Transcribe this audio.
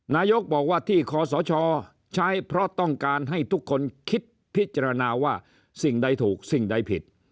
นายกบอกว่าที่คอสชใช้เพราะต้องการให้ทุกคนคิดพิจารณาว่าสิ่งใดถูกสิ่งใดผิด